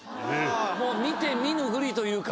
もう見て見ぬふりというか。